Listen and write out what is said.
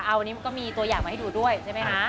อันนี้มันก็มีตัวอย่างมาให้ดูด้วยใช่ไหมคะ